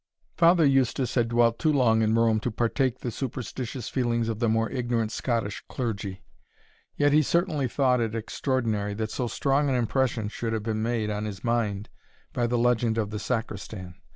Father Eustace had dwelt too long in Rome to partake the superstitious feelings of the more ignorant Scottish clergy; yet he certainly thought it extraordinary, that so strong an impression should have been made on his mind by the legend of the Sacristan.